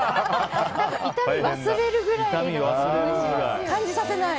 痛み忘れるぐらい。